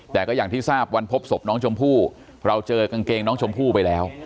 แต่ก็อย่างที่ทราบวันพบศพน้องชมพู่เราเจอกางเกงน้องชมพู่ไปแล้ว